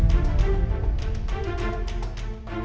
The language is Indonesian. aku akan mencari cherry